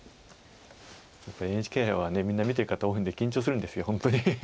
やっぱりＮＨＫ杯はみんな見てる方多いんで緊張するんです本当に。